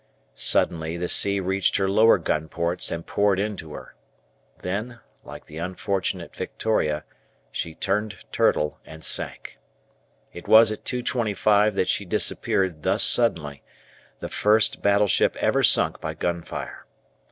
Suddenly the sea reached her lower gun ports and poured into her. Then, like the unfortunate "Victoria," she "turned turtle," and sank. It was at 2.25 that she disappeared thus suddenly, the first battleship ever sunk by gun fire.